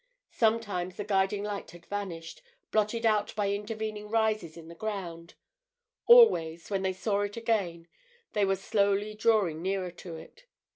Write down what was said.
Sometimes the guiding light had vanished, blotted out by intervening rises in the ground; always, when they saw it again, they were slowly drawing nearer to it.